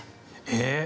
ええ？